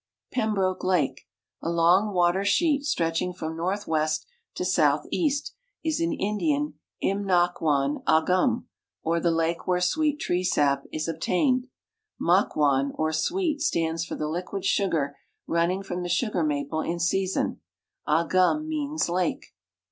Pembroke lake, a long water sheet, stretching from northwest to south east, is in Indian fmnakwan agum, or " the lake where sweet tree sap is obtained." Makwan, or "sAveet," stands for the liquid sugar running from the sugar maple in .season. Agum means " lake."